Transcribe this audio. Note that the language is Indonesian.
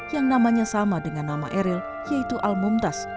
yang namanya sama dengan nama eril yaitu al mumtaz